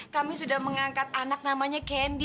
kami sudah mengangkat anak namanya kendi